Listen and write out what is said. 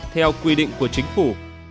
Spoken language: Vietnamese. theo quy định của chính phủ